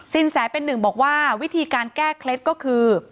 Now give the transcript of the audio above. แสเป็นหนึ่งบอกว่าวิธีการแก้เคล็ดก็คือ